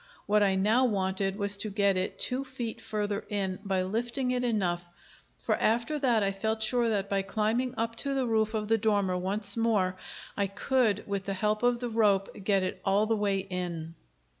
What I now wanted was to get it two feet further in, by lifting it enough; for after that I felt sure that by climbing up to the roof of the dormer once more, I could, with the help of the rope, get it all the way in.